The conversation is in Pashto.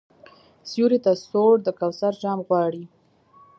سیوري ته سوړ د کوثر جام غواړي